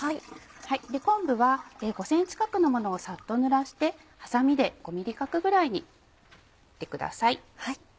昆布は５ｃｍ角のものをサッとぬらしてハサミで５ｍｍ角ぐらいに切ってください。